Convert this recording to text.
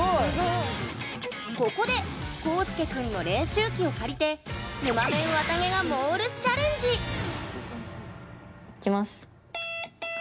ここで、コウスケ君の練習機を借りてぬまメン、わたげがモールスチャレンジ！いきます！